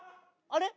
あれ？